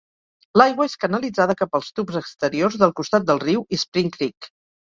L'aigua és canalitzada cap als tubs exteriors del costat del riu i Spring Creek.